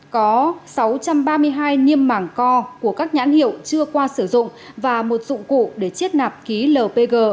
có sáu trăm ba mươi hai niêm mảng co của các nhãn hiệu chưa qua sử dụng và một dụng cụ để chiết nạp ký lpg